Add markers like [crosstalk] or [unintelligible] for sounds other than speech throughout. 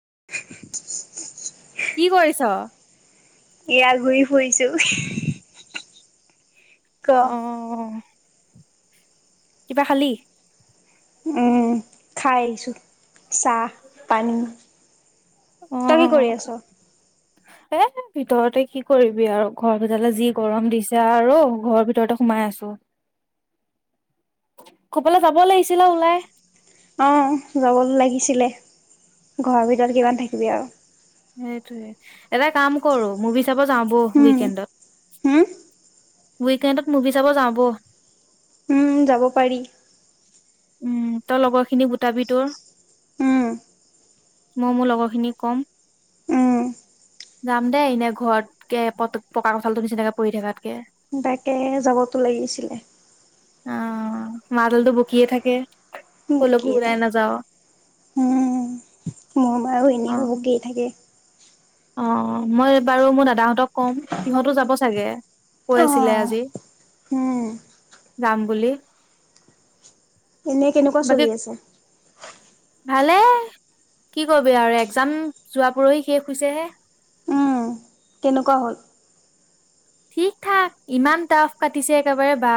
উম, উম, কি কৰিছ? ঘুৰিছো হি হি ক অ', কিবা খালি? উম, খাইছো। চাহ -পানী। অ, তই কি কৰি আছ এ ভিতৰতে কি কৰিবি আৰু ঘৰৰ ভিতৰত যি গৰম দিছে, আৰু ঘৰৰ ভিতৰতে সোমাই আছো কৰবালে যাব লাগিছিলে ওলাই অ যাবতো লাগিছিলে, ঘৰৰ ভিতৰত কিমান থাকিবি আৰু সেইটোয়ে, এটা কাম কৰো মুভি, চুভি চাব যাওঁ ব উম উইকেণ্ডত হম উইকেণ্ডত মুভি চাব যাওঁ ব উম যাব পাৰি। উম, তই লগৰ খিনি গোটাবি তোৰ উম, মই মোৰ লগৰ খিনিক কম, উম যাম দেই এনে ঘৰতকে প পকা কঠাল তো নিচিনাকে পৰি থকাতকে তাকে, যাবতো লাগিছিলে অ, মা দালটো বকিয়ে থাকে। কে [unintelligible] বকিয়ে থাকে, উম মোৰ মাৰ এনেও অ'। বকিয়েই থাকে। অ, মই বাৰু মোৰ দাদাহঁতক কম সিহঁতো যাব চাগে কৈ, অ আছিলে আজি উম যাম বুলি। এনেই কেনেকুৱা বাকী চলি আছে। ভালে কি কৰিবি আৰু এক্সাম যোৱা পৰহি শেষ হৈছেহে। তেনেকুৱা হ'ল ঠিক থাক ইমান টাফ কাটিছে একেবাৰে বা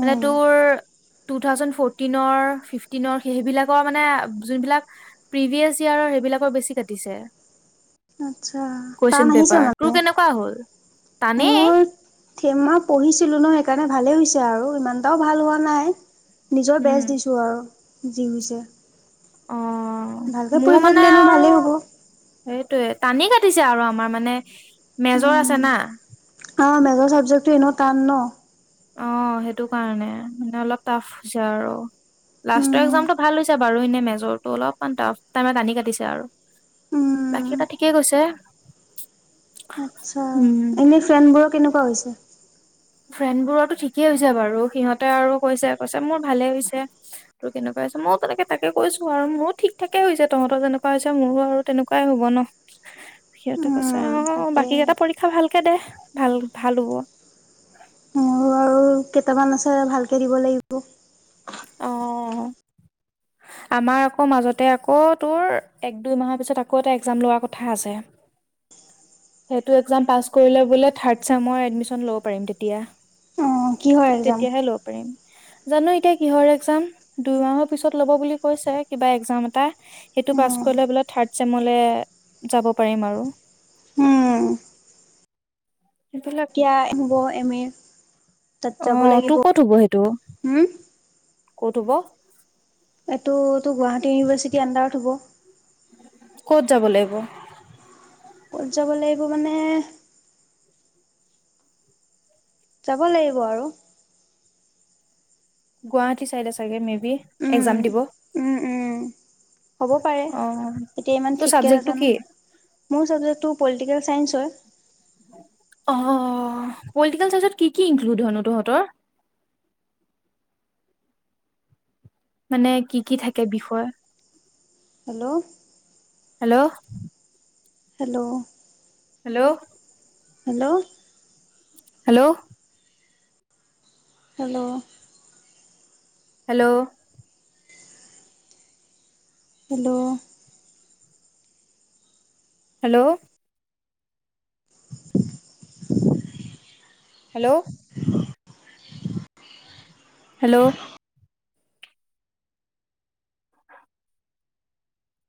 মানে উম তোৰ টু থাউজেড ফৰ্টিনৰ ফিফটিনৰ সেইবিলাকৰ মানে যোনবিলাক প্ৰিভিয়াছ ইয়াৰৰ সেইবিলাকৰ বেছি কাটিছে। আচ্ছা টান কুৱেশচন আহিছে পেপাৰ মানে তোৰ কেনেকুৱা হ'ল? টানেই মোৰ থেমা পঢ়িছিলো নহয়। সেইকাৰণে ভালেই হৈছে আৰু ইমানটাও ভাল হোৱা নাই। নিজৰ উম বেজ দিছোঁ আৰু। যি হৈছে অ ভালকে মোৰ পৰীক্ষা মানে দিলে এনেও আৰু ভালেই হ'ব। সেইটোয়ে টানি ক দিছে আৰু আমাৰ মানে মেজৰ উম, আছে না। অ মেজৰ চাবজেক্টটো এনেও টান ন। অ সেইটো কাৰণে মানে অলপ টাফ হৈছে আৰু। লাষ্টৰ উম, একজাম টো। ভাল হৈছে বাৰু এনে মেজৰটো অলপমান টাফ টাইম আনি কাটিছে আৰু বাকী উম। এটা ঠিকে গৈছে। আচ্ছা উম এনে ফ্ৰেন বোৰৰ কেনেকুৱা? কোৱা হৈছে? ফ্ৰেণ্ড বোৰো ঠিকেই হৈছে বাৰু সিহঁতে আৰু কৈছে কৈছে মোৰ ভালে হৈছে তোৰ কেনেকুৱা হৈছে মইও তেনেকে তাকে কৈছোঁ আৰু মোৰো থিক থাকে হৈছে তহঁতৰ যেনেকুৱা হৈছে মোৰো আৰু তেনেকুৱাই হ'ব ন সিহতে। অ উম, তাকে। বাকীকেইটা পৰীক্ষা ভাল। তাকে দে ভাল ভাল হ'ব। মোৰো আৰু কেইটামান আছে ভালকে দিব লাগিব। অ আমাৰ আকৌ মাজতে আকৌ তোৰ এক দুই মাহৰ পিছত আকৌ এটা একজাম লোৱাৰ কথা আছে। সেইটো একজাম পাছ কৰিলে বোলে থাৰ্ড চেমৰ এডমিশন ল'ব পাৰিম তেতিয়া। অ' কিহৰ এক্সাম? তেতিয়াহে ল'ব পাৰিম। জানো এতিয়া কিহৰ একজাম দুইমাহৰ পিছত ল'ব বুলি কৈছে কিবা একজাম এটা। সেইটো পাছ উম, কৰিলে বোলে থাৰ্ত চেমলে যাব পাৰিম আৰু। সেইবিলাকে কিয় আহিব এ‌ মে আহ তোৰ ক'ত হ'ব সেইটো। উম। ক'ত হ'ব টো টো গুৱাহাটী ইউনিভাৰ্চিটি আণ্ডাৰত হ'ব ক'ত যাব লাগিব। ক'ত যাব লাগিব মানে। যাব লাগিব আৰু। গুৱাহাটী চাইডে চাগে মে বি এক্সাম উম, দিব উম-উম হ'ব পাৰে। অ এতিয়া ইমান তোৰ ঠিককে চাবজেক্টটো নাজানো। কি মোৰ চাবজেক্টটো পলিটিকেল চাইন্স হয়। অ পলটিকেল চায়েঞ্চেত কি-কি ইনক্লুইড হয়নো তহঁতৰ? মানে কি কি থাকে বিষয়? Hello? Hello? Hello? Hello? Hello? Hello? Hello? Hello? Hello? Hello? [unintelligible] Hello? [unintelligible] Hello?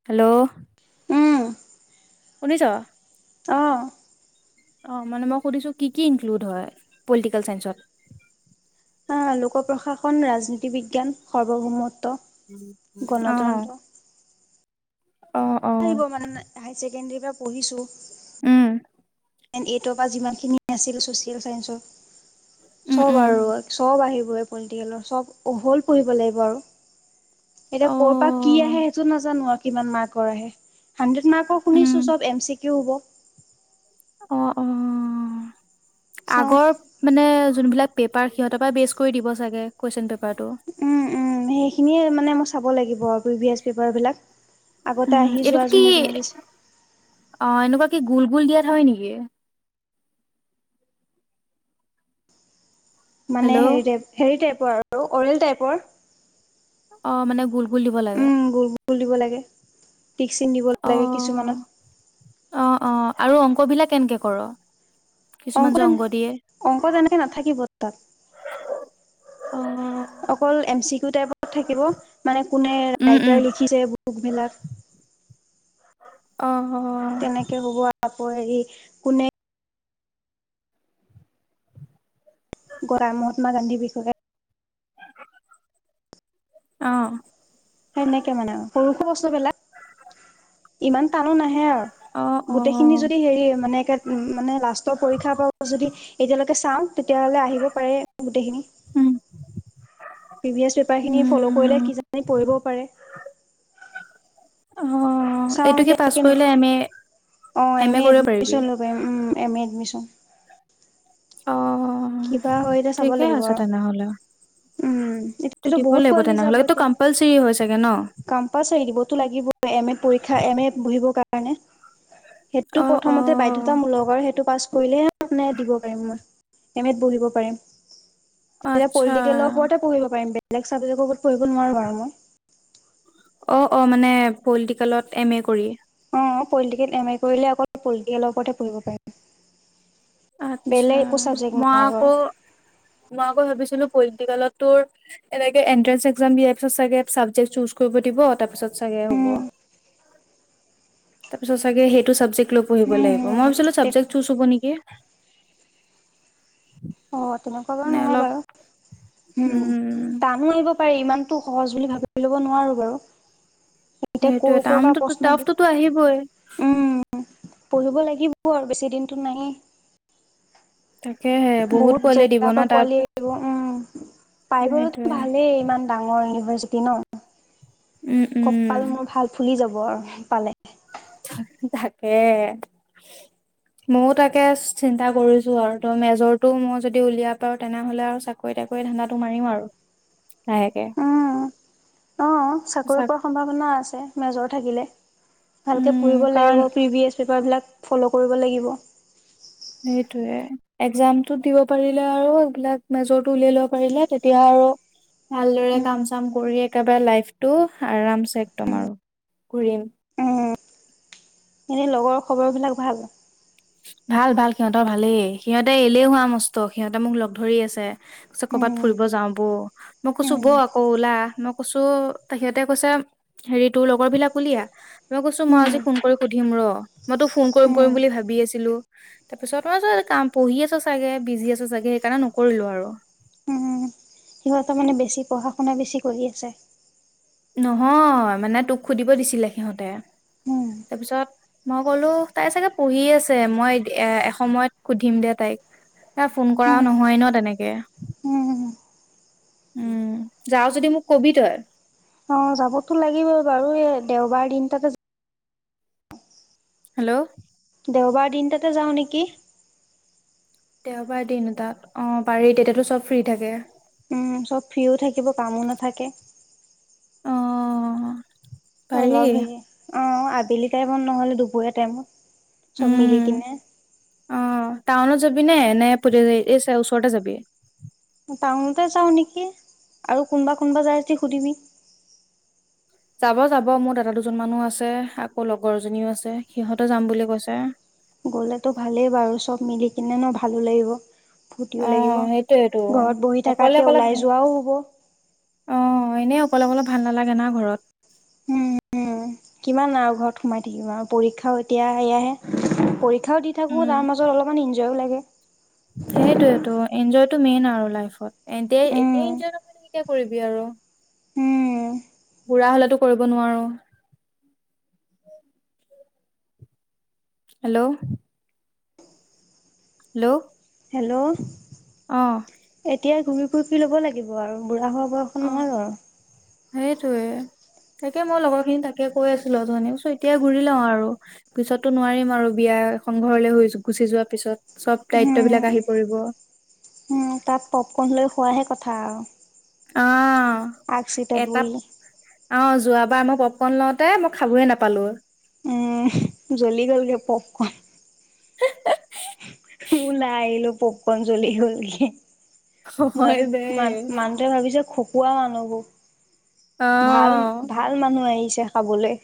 Hello? উম শুনিছ? অঁ অ মানে মই সুধিছো কি-কি ইনক্লুড হয়, পলিটিকেল চাইসত? আহ লোক প্ৰশাসন, ৰাজনীতি বিজ্ঞান, সাৰ্বভৌমত্ব অহ িব মানে হাই কেন্দ্ৰিৰ পৰা পঢ়িছো। উম খেল চাইঞ্চো উম চব উম আৰু চব আহিব। পলিটিকেলৰ চব হ'ল পঢ়িব লাগিব আৰু। এতিয়া অ কৰ' পৰা কি আহে সেইটো নাজানো আৰু। কিমান মাৰ্কৰ আহে? হানড্ৰেড মাৰ্ক উম শুনিছো চব এম চি কওঁ হব। অহ-অহ চাওঁ আগৰ মানে যোনবিলাক পেপাৰ সিহঁৰ পৰা বেচ কৰি দিব চাগে, কুৱচন পেপাৰ উম-উম সেইখিনিয়ে মানে ম চাব লাগিব আৰু প্ৰি ভ এছ পেপাৰ বিলাক। আগতে উম আহি যোৱা এনেকুৱা কি যোনে যোনেকৈছে। অ এনেকুৱা গোল গোল দিয়াত হয় নেকি মানে হেল্ল' হেৰি টাইপ হেৰি টাইপৰ আৰু আৰু অ'ৰেল টাইপৰ অ মানে গুল বুলিব লাগে গুলিব লাগে টিকচিন দিব অ লাগে কিছুমানত অ অ আৰু অংক বিলাক কেনেকে কৰ কিছুমান অংকত যে অংক দিয়ে অংকত এনেকে নাথাকিব তাত অ অকল এম চি ত টাইপত থাকিব মানে কোনে উম উম ৰাইটাৰ লিখিছে বুক বিলাক অ অ' তাপ হেৰি কোনে? মহাত্মা গান্ধীৰ বিষয়ে, আহ', সেনেকে মানে সৰু সৰু বস্তু বিলাক ইমান তানো নাহে অ', আৰু গোটেখিনি অ', যদি হেৰি মানে কা মানে লাষ্টৰ পৰীক্ষা পাৱ যদি এতিয়ালৈকে কেঁচা আম তেতিয়া হ'লে আহিব পাৰে গোটেইখিনি উম, প্ৰিভিয়াছ পেপাৰখিনি ফ'ল কৰিলে কি উম। জানি পৰিবও পাৰে। অ', চাওঁ এইটো কি এতিয়া পাছ কে কৰিলে এম এ অ এম এ এদমিচন ল'ব পাৰিম উম এম এ এদমিচন অ' কিবা হয় এতিয়া চাব ঠিকে লাগিব আছে আৰু তেনেহ'লে। উম', তো এতিয়াটো দিব বহুত লাগিব পোৱালি তেনেহ'লে যাব এইটো এতিয়া, কম্পালচৰি হয় চাগে ন? কম্পালচাৰি দিবতো লাগিব এম এ পৰীক্ষা এম এ পঢ়িব কাৰণে সেইটো অ', প্ৰথমতে অ'। বাধ্যতামূলক আৰু সেইটো পাছ কৰিলে আপোন দিব পাৰিম মই এম এট বহিব পাৰিম। আচ্ছা তেলৰ ওপৰতে পঢ়িব পাৰিম। বেলেগ চাবজেক্টৰ ওপৰত পঢ়িব নোৱাৰোঁ আৰু মই। অ', অ মানে পলিটিকেলত এম এ কৰি অ পলিটিকেল এম এ কৰিলে অকল পলিটিকেলৰ ওপৰতে পঢ়িব পাৰি। আচ্চা। মই আৰু। আকৌ, মই আকৌ ভাবিছিলো পলিটিকেলতটো এন্ট্ৰেস এক দিয়াৰ পিছতাগে চাবজেক্ চুস কৰিব দিব তাৰপিছত চাগে হ'ব। তাৰপিছত চাগে সেইটো ছাবজেক্ট পঢ়িব লাগিব মই ভাবিচিলোঁ চাবজেক চুজ হ'ব নেকি? অঁ', তেনেকুৱা বাৰু মানে নহয় অলপ বাৰু। উম', টানো আহিব পাৰে ইমানতো সহজ বুলি ভাবি ল'ব নোৱাৰোঁ বাৰু। এতিয়া কৰ সেইটোয়ে কৰ পৰা টামটো প্ৰশ্ন দি টফটোতো আহিবই। উম পঢ়িব লাগিব আৰু বেছি দিনটো নাই। তাকেহে বহুত পোৱালি দিব জেগাৰ ন পৰা তাত পোৱালি আহিব উম', পাই গলেতো সেইটোয়ে ভালেই ইমান ডাঙৰ ইউনিভাৰ্চিটি। তি ন? উম উম কপাল মোৰ ভাল ফুলি যাব। ৰ পালে। তাকে মযও তাকে চিন্তা কৰিছো আৰু ত মেজৰটো মই যদি উলিয়াই পাও তেনেহলে আৰু চাকৰি তাকৰি ধান্দাটো মাৰিম আৰু। লাহেকে উম, অহ চাকৰি চাক পোৱাৰ সম্ভাৱনা আছে মেজৰ থাকিলে। ভালকে উম পঢ়িব লাগিব কাৰণ প্ৰিভিয়চ পেপাৰবিলাক ফ'ল' কৰিব লাগিব। সেইটোৱে একজামটো দিব পাৰিলে আৰু এইবিলাক মেজৰটো উলিয়াই লব পাৰিলে তেতিয়া আৰু ভালদৰে উম কাম চাম কৰি একেবাৰে লাইফটো আৰামছে একদম আৰু। ঘূৰিম। এনেই লগৰ খবৰবিলাক ভাল? ভাল-ভাল সিহঁতৰ ভালেই, সিহঁতে এলেহুৱা মস্ত সিহঁতে মোক লগ ধৰি আছে। ছে কৰবাত উম ফুৰিব যাও বৌ, মই কৈছো উম বৌ আকৌ ওলা, মই কৈছো সিহঁতে কৈছে হেৰি তোৰ লগৰ বিলাক উলিয়া। মই কৈছো মই উম আজি ফোন কৰি সুধিম ৰ। মই তো ফোন উম কৰিম-কৰিম বুলি ভাবি আছিলো। লো তাৰপিছত তই কাম পঢ়ি আছো চাগে, বিজি আছ চাগে সেইকাৰণে নকৰিলো আৰু। উম সিহঁতৰ মানে বেছি পঢ়া বেছি কৰি আছে। নহয়। মানে তোক সুধিব দিছিলে সিহঁতে, উম তাৰপিছত মই কলো তাই চাগে পঢ়ি আছে মই এ এসময়ত সুধিম দে তাইক। তাই ফোন কৰাও উম নহয় ন তেনেকে? উম উম, যাও যদি মোক কবি তই। অ যাবতো লাগিবই বাৰু এই দেওবাৰ দিন তাতে হেল্ল'? দেওবাৰ দিনতাতে যাওঁ নেকি? দেওবাৰ দিনতাত অ পাৰি তেতিয়াতো চব ফ্ৰী থাকে। উম চব ফ্ৰ্ৰীও থাকিব কামো নাথাকে। অ পাৰি উলাবি, অহ। আবেলি টাইমত নহলে দুপৰীয়া টাইমত। চব উম মিলিকেনে। অ টাউনত যাবি নে নে পা য এই ওচৰতে যাবি। টাউনতে যাওঁ নেকি আৰু কোনোবা কোনোবা যায় যদি সুধিবি? যাব যাব মোৰ দাদা দুজন মানো আছে আকৌ লগৰজনীও আছে সিহঁতে যাম বুলি কৈছে? গ'লেতো ভালেই বাৰু চব মিলি কিনে ন ভালো লাগিব? ফূৰ্তিও অ লাগিব সেইটোয়েইটো ঘৰত বহি অকলে থকাতকে অকলে ওলাই ভাল যোৱাও হ'ব অ এনেই অকলে অলেপ ভাল নালাগে। হোনা ঘৰত। উম উম কিমান আৰু ঘৰত সোমাই থাকিব আৰু পৰীক্ষাও এতিয়া সেয়াহে। পৰীক্ষাও দি থাকো তাৰ মাজত অলপমান। কিয় লাগে। সেইটোয়েটো এনজয়। মেইন আৰু লাইফত এ এতিয়া উম এনজয় নকৰিলে কেতিয়া কৰিবি আৰু। উম বুঢ়া হলেতো কৰিব নোৱাৰো? হেল্ল' হেল্ল' হেল্ল' আহ, এতিয়াই ঘূৰি ফুৰি লব লাগিব আৰু। বুঢ়া অ বৰষুণয়? সেইটোয়ে, তাকে মই লগৰ খিনি তাকে কৈ আছিলো অথনী চ এতিয়া ঘুৰি লও আৰু পিছতো নোৱাৰিম আৰু বিয়া এখন ঘৰলে গুচি যোৱাৰ পিছত চব দায়িত্ব উম বিলাক আহি পৰিব। উম, তাত পপকৰ্ন লৈ খোৱাহে কথা আৰু। অ, আগ চিটত এ বহি। অ' যোৱাবাৰ মই অকণ লওঁতে মই খাবয়ই নাপালোঁ। উম, জ্বলি গল গে পপকন। ওলাই আহিলো পপকন জলি গলগে। মান হয় দে মা' মানটোৱে ভাবিছে খুব ইয়াৰ মানুবোৰ অ ভাল-ভাল মানুহ আহিছে। খাবলৈ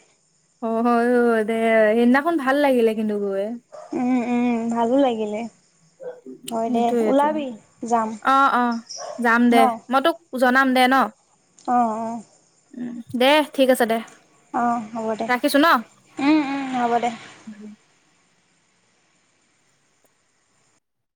অ' হয় দে সেইদিনাখন ভাল লাগিলে কিন্তু গৈ। উম-উম, ভালো লাগিলে। হয় দে সেইটোয়েইটো ওলাবি যাম। অ-অ যাম ন দে। মই তোক জনাম দে ন। অঁ-অঁ, উ, দে ঠিক আছে দে। অঁ' হ'ব দে, ৰাখিছো ন উম-উম, হ'ব দে।